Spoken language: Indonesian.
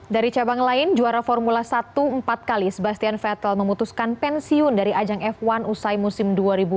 dari cabang lain juara formula satu empat kali sebastian vettel memutuskan pensiun dari ajang f satu usai musim dua ribu dua puluh